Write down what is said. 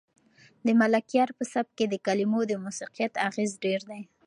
د ملکیار په سبک کې د کلمو د موسیقیت اغېز ډېر دی.